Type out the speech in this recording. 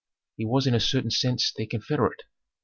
He was in a certain sense their confederate.